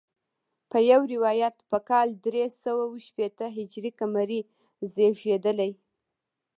په یو روایت په کال درې سوه شپېته هجري قمري زیږېدلی.